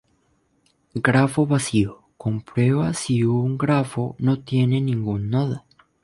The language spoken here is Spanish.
Grafo Vacío: Comprueba si un grafo no tiene ningún nodo.